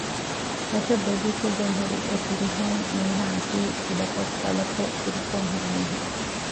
ދަށަށް ބެގީކޮށްގެން ހުރި އެފިރިހެން މީހާއަކީ ކުޑަކޮށް ފަލަކޮށް ކުރުކޮށް ހުރި މީހެއް